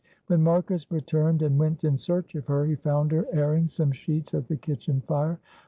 When Marcus returned and went in search of her, he found her airing some sheets at the kitchen fire.